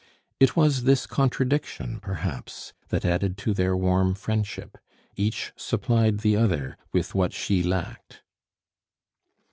It was this contradiction, perhaps, that added to their warm friendship. Each supplied the other with what she lacked.